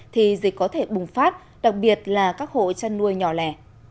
thì dịch có thể bùng phát đặc biệt là các hộ chăn nuôi nhỏ lẻ